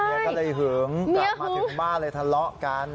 ก็เลยหึงกลับมาถึงบ้านเลยทะเลาะกัน